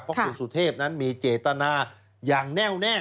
เพราะคุณสุเทพนั้นมีเจตนาอย่างแน่วแน่